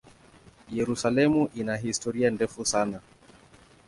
Yerusalemu ina historia ndefu sana.